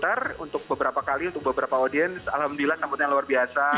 terhormat untuk beberapa kali untuk beberapa audiens alhamdulillah tamputnya luar biasa